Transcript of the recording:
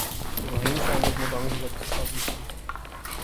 ابراہیم شاہ نے ایک مقامی شہزادی سے شادی کی